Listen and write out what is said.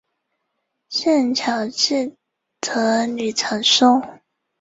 曾在堑壕战中被用来从壕沟观察敌军动态。